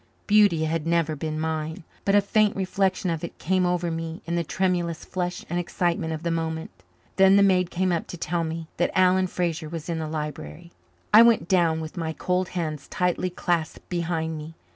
Beauty had never been mine, but a faint reflection of it came over me in the tremulous flush and excitement of the moment. Then the maid came up to tell me that Alan Fraser was in the library. I went down with my cold hands tightly clasped behind me.